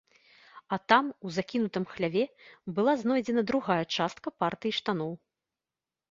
А там, у закінутым хляве, была знойдзена другая частка партыі штаноў.